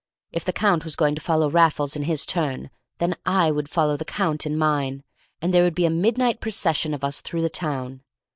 If the Count was going to follow Raffles in his turn, then I would follow the Count in mine, and there would be a midnight procession of us through the town.